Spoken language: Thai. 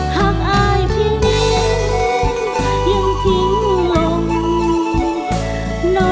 อายเพียงนี้ยังทิ้งลง